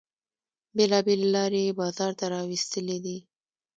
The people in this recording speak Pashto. بیلابیلې لارې یې بازار ته را ویستلې دي.